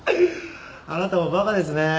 あなたもバカですね。